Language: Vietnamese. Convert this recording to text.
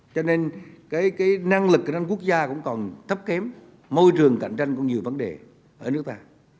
cho nên cái năng lực của năng quốc gia cũng còn thấp kém môi trường cạnh tranh cũng nhiều vấn đề ở nước ta